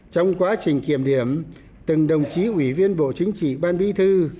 trong quá trình kiểm điểm từng đồng chí ủy viên bộ chính trị ban bí thư